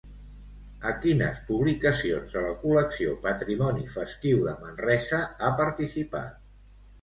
A quines publicacions de la col·lecció Patrimoni Festiu de Manresa ha participat?